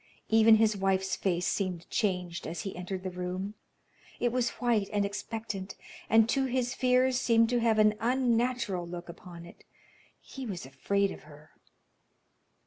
Even his wife's face seemed changed as he entered the room. It was white and expectant, and to his fears seemed to have an unnatural look upon it. He was afraid of her.